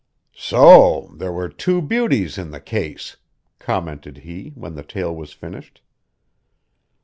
"So there were two beauties in the case!" commented he, when the tale was finished.